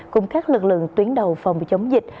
cùng các lực lượng tuyến đầu phòng chống dịch